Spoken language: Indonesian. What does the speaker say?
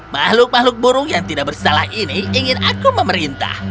makhluk makhluk burung yang tidak bersalah ini ingin aku memerintah